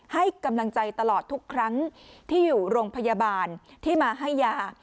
ให้กำลังใจตลอดทุกครั้งที่อยู่โรงพยาบาลที่มาให้ยา